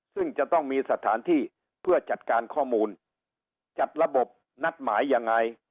ซึ่งจะต้องมีสถานที่เพื่อจัดการข้อมูลจัดระบบนัดหมายยังไง